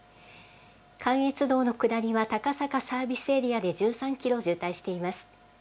関越道の下りは高坂サービスエリアで１３キロ渋滞しています。